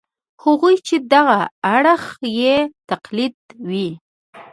هغوی چې دغه اړخ یې تقلیدي وي.